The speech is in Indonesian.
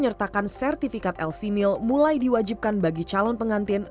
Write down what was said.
pemerintah yang memiliki sertifikat lc mil mulai diwajibkan bagi calon pengantin